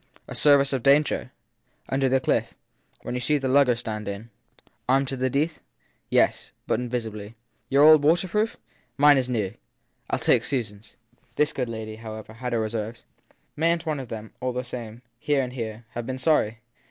A service of danger ? Under the cliff when you see the lugger stand in ! Armed to the teeth? t Yes but invisibly. Your old waterproof ! Mine is new. I ll take Susan s ! This good lady, however, had her reserves. Mayn t one of them, all the same here and there have been sorry